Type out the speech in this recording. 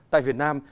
tại việt nam